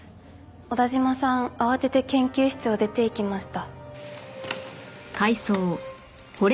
小田嶋さん慌てて研究室を出ていきました。